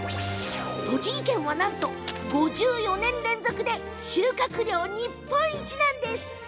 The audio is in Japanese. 栃木県はなんと５４年連続で収穫量が日本一なんです！